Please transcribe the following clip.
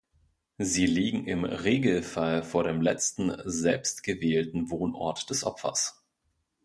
Sie liegen im Regelfall vor dem letzten selbstgewählten Wohnort des Opfers.